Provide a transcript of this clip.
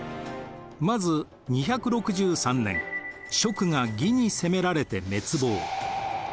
まず２６３年蜀が魏に攻められて滅亡。